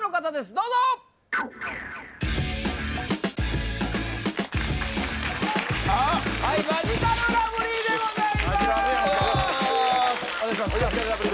どうぞはいマヂカルラブリーでございます